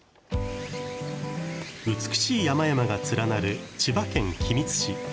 美しい山々が連なる千葉県君津市。